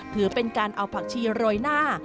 เพื่อเป็นการเอาผักชีโรยหน้า